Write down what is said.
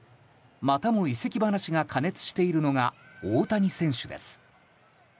またも移籍話が過熱しているのが大谷選手です。